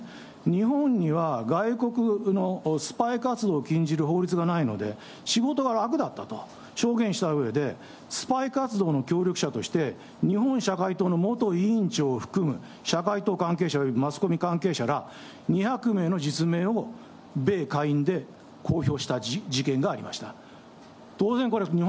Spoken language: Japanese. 日本には外国のスパイ活動を禁じる法律がないので、仕事が楽だったと証言したうえで、スパイ活動の協力者として、日本社会党の元委員長を含む社会党関係者およびマスコミ関係者ら２００名もの実名を米下院で公表した事件がありました。